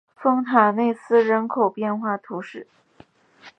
丰塔内斯人口变化图示